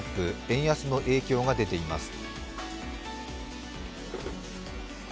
円安の影響が出ています。